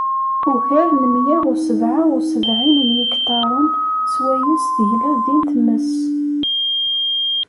Ugar n mya u sebεa u sebεin n yiktaren swayes tegla din tmes.